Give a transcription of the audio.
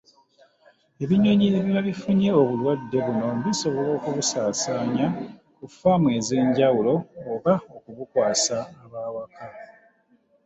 Ebinyonyi ebiba bifunye obulwadde buno bisobola okubusaasaanya ku faamu ez’enjawulo oba okubukwasa ab’awaka.